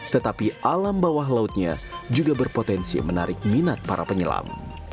tetapi alam bawah lautnya juga berpotensi menarik minat para penyelam